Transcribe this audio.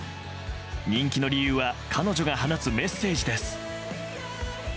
人気の理由は彼女が放つメッセージです。